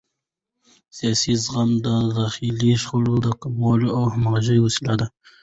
سیاسي زغم د داخلي شخړو د کمولو او همغږۍ وسیله ده